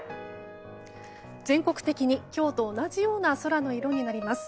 全国的に今日と同じような空の色になります。